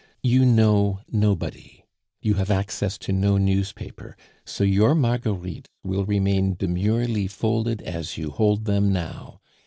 "You know nobody; you have access to no newspaper, so your Marguerites will remain demurely folded as you hold them now.